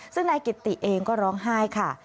ซึ่งนายกิตติเองก็ร้องไห้ค่ะ